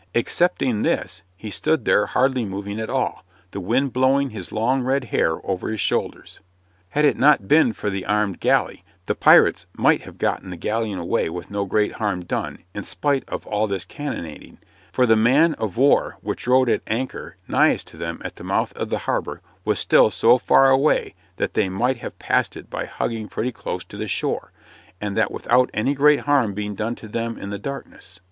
Excepting this he stood there hardly moving at all, the wind blowing his long red hair over his shoulders. [Illustration: BURNING THE SHIP] Had it not been for the armed galley the pirates might have got the galleon away with no great harm done in spite of all this cannonading, for the man of war which rode at anchor nighest to them at the mouth of the harbor was still so far away that they might have passed it by hugging pretty close to the shore, and that without any great harm being done to them in the darkness.